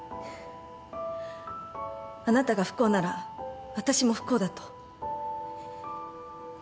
あなたが不幸なら私も不幸だと。